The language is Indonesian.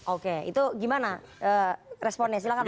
oke itu gimana responnya silahkan